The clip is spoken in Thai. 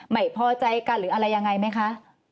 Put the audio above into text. ไม่พอใจกันหรืออะไรยังไงไหมคะ